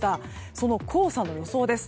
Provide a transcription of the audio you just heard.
その黄砂の予想です。